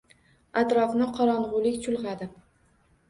Atrofni qorong‘ulik chulg‘adi.